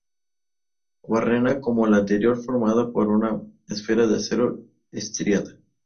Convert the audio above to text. Barrena como la anterior formada por una esfera de acero estriada.